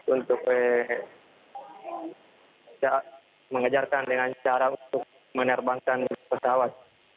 untuk mengejarkan dengan cara untuk menerbangkan pesawat